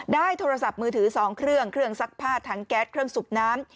โทรศัพท์มือถือ๒เครื่องเครื่องซักผ้าถังแก๊สเครื่องสูบน้ำ